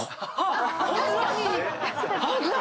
ホントだ！